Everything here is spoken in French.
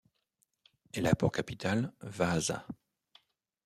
Elle a pour capitale Vaasa.